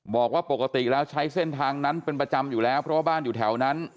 บอกว่าปกติแล้วใช้เส้นทางนั้นเป็นประจำอยู่แล้วเพราะว่าบ้านอยู่แถวนั้น